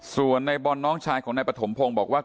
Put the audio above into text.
ส่วนในบอลน้องชายของนายปฐมพงศ์บอกว่า